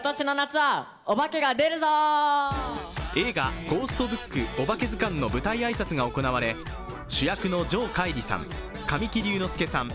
映画「ゴーストブックおばけずかん」の舞台挨拶が行われ主役の城桧吏さん神木隆之介さん